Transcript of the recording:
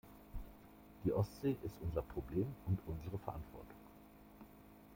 Die Ostsee ist unser Problem und unsere Verantwortung.